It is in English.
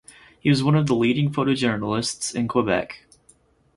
He was one of the leading photojournalists in Quebec.